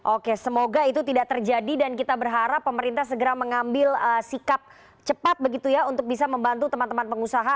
oke semoga itu tidak terjadi dan kita berharap pemerintah segera mengambil sikap cepat begitu ya untuk bisa membantu teman teman pengusaha